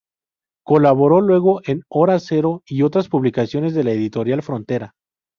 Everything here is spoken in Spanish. Colaboró luego en Hora Cero y otras publicaciones de la Editorial Frontera.